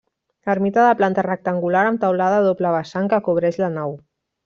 Ermita de planta rectangular amb teulada a doble vessant que cobreix la nau.